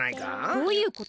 どういうこと？